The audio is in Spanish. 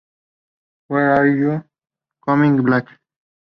When are you coming back?